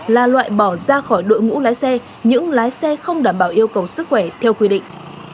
là loại bỏ ra khỏi đội ngũ lái xe những lái xe không đảm bảo yêu cầu sức khỏe theo quy định